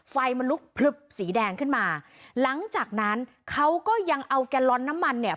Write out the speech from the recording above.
ไฟมันลุกพลึบสีแดงขึ้นมาหลังจากนั้นเขาก็ยังเอาแกลลอนน้ำมันเนี่ย